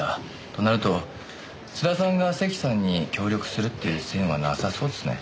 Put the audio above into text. となると津田さんが関さんに協力するっていう線はなさそうですね。